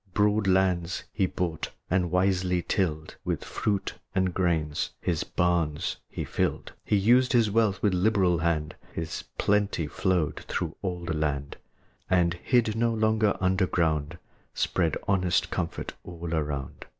Broad lands he bought, and wisely tilled; With fruits and grain his barns he filled; He used his wealth with liberal hand; His plenty flowed through all the land; And, hid no longer under ground, Spread honest comfort all around.